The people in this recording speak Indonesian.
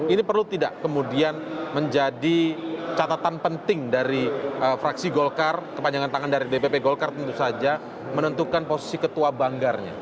ini perlu tidak kemudian menjadi catatan penting dari fraksi golkar kepanjangan tangan dari dpp golkar tentu saja menentukan posisi ketua banggarnya